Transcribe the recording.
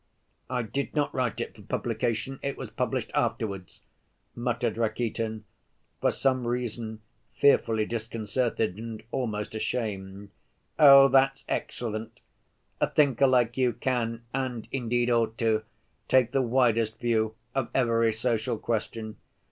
"I did not write it for publication ... it was published afterwards," muttered Rakitin, for some reason fearfully disconcerted and almost ashamed. "Oh, that's excellent! A thinker like you can, and indeed ought to, take the widest view of every social question.